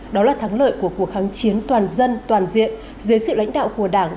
đó là thắng lợi của cuộc kháng chiến toàn dân toàn diện dưới sự lãnh đạo của đảng